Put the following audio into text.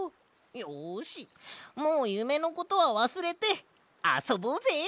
よしもうゆめのことはわすれてあそぼうぜ！